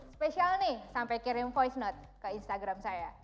spesial nih sampai kirim voice note ke instagram saya